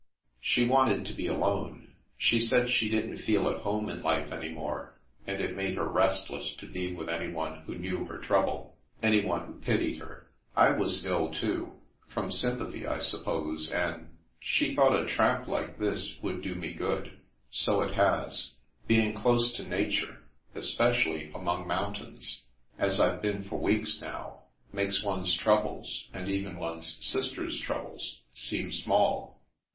" She wanted to be alone. She said she didn't feel at home in life any more, and it made her rest less to be with anyone who knew her trouble, any one who pitied her. I was ill too, — from sympathy, I suppose, and — ^she thought a tramp like this would do me good. So it has. Being close to nature, especially among mountains, as I've been for weeks now, makes one's troubles and even one's sister's troubles seem small."